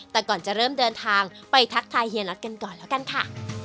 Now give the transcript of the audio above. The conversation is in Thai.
แต่ก่อนจะเริ่มเดินทางไปทักทายเฮียน็อตกันก่อนแล้วกันค่ะ